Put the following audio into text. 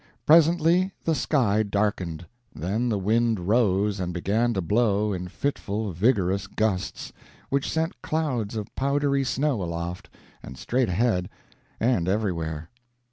Presently the sky darkened; then the wind rose and began to blow in fitful, vigorous gusts, which sent clouds of powdery snow aloft, and straight ahead, and everywhere.